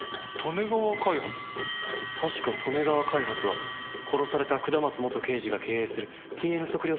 確か利根川開発は殺された下松元刑事が経営するＴＮ測量設計の親会社です。